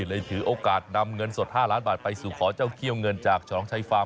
ถือโอกาสนำเงินสด๕ล้านบาทไปสู่ขอเจ้าเขี้ยวเงินจากฉลองชัยฟาร์ม